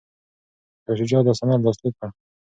شاه شجاع دا سند لاسلیک کړ.